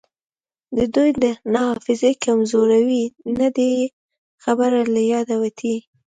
د دوی نه حافظې کمزورې دي نه یی خبره له یاده وتې